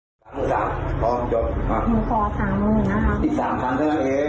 สามหมื่นสามอ๋อจบอ่ะหนูขอสามหมื่นนะครับอีกสามสามเท่านั้นเอง